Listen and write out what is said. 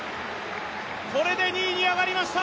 これで２位に上がりました。